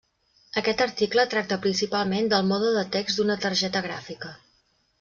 Aquest article tracta principalment del mode de text d'una targeta gràfica.